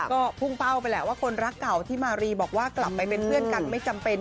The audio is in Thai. ก็พุ่งเป้าไปแหละว่าคนรักเก่าที่มารีบอกว่ากลับไปเป็นเพื่อนกันไม่จำเป็น